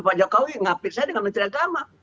pak jokowi ngapir saya dengan menteri agama